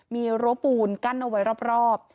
มีรั้วปูนกั้นเอาไว้รอบ